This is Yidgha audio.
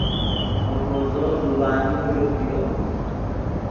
اوکو زو زبانی ݱوت ڤیو